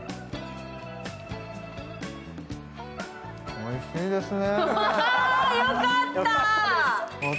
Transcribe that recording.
おいしいですね。